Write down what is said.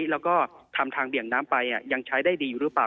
แล้วก็ทำทางเบี่ยงน้ำไปยังใช้ได้ดีอยู่หรือเปล่า